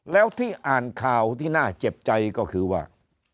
แล้วที่อ่านข่าวที่น่าเจ็บใจก็คือว่า